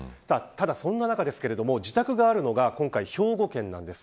ただ、そんな中ですが自宅があるのが今回、兵庫県なんです。